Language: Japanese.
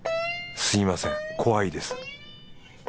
すみません怖いです。